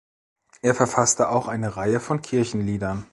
Er verfasste auch eine Reihe von Kirchenliedern.